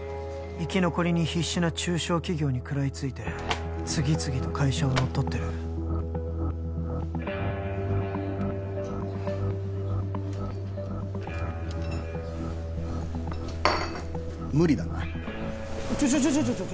生き残りに必死な中小企業に食らいついて次々と会社を乗っ取ってる無理だなちょちょ